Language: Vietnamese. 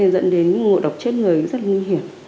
dẫn đến ngộ độc chết người rất là nguy hiểm